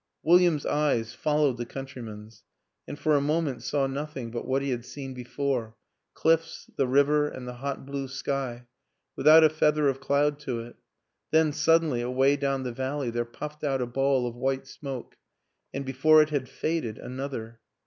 William's eyes followed the countryman's, and for a moment saw nothing but what he had seen before cliffs, the river and the hot blue sky, without a feather of cloud to it; then, suddenly, away down the valley, there puffed out a ball of white smoke, and before it had faded another.